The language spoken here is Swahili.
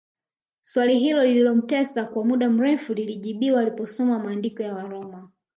Swali hilo lililomtesa kwa muda mrefu lilijibiwa aliposoma maandiko ya Waroma